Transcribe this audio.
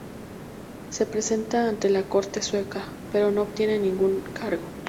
Se presenta ante la corte sueca, pero no obtiene ningún encargo.